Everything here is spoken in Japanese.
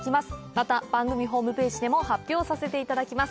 また番組ホームページでも発表させて頂きます